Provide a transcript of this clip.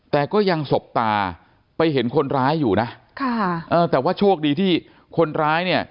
แต่ก็ยังสบตาไปเห็นคนร้ายอยู่แต่ว่าโชคดีที่คนร้าย